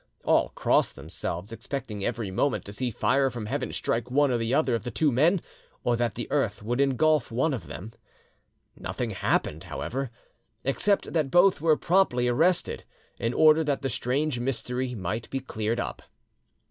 All crossed themselves, expecting every moment to see fire from heaven strike one or other of the two men, or that the earth would engulf one of them. Nothing happened, however, except that both were promptly arrested, in order that the strange mystery might be cleared up.